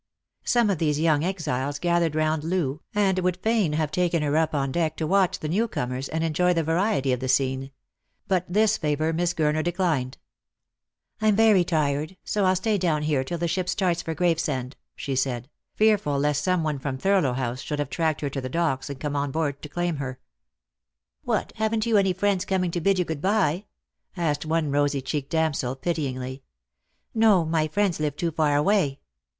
Some of these young exiles gathered round Loo, and would fain have taken her up on deck to watch the new comers, and enjoy the variety of the scene ; but this favour Miss Gurner declined. " I'm very tired, so I'll stay down here till the ship starts for Gravesend," she said; fearful lest some one from Thurlow House should have tracked her to the Docks, and come on board to claim her. " What ! haven't you any friends coming to bid you good bye ?" asked one rosy cheeked damsel pityingly. "No, my friends live too far away."